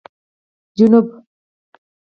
جنوب